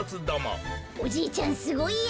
おじいちゃんすごいや。